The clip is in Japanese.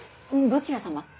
どちら様？